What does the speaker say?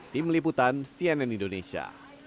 tim liputan cnn indonesia